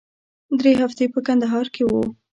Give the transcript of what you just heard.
درې هفتې په کندهار کښې وو.